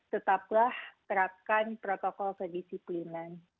tetaplah terapkan protokol kedisiplinan